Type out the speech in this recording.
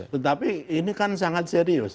tetapi ini kan sangat serius